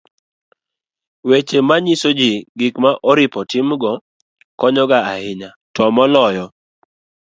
weche manyiso ji gik ma oripo timgo konyo ga ahinya to moloyo